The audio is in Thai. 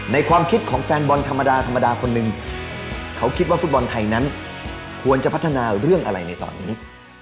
ความคิดของแฟนบอลธรรมดาธรรมดาคนหนึ่งเขาคิดว่าฟุตบอลไทยนั้นควรจะพัฒนาเรื่องอะไรในตอนนี้